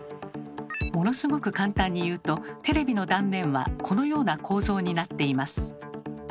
ものすごく簡単に言うとテレビの断面はこのような構造になっています。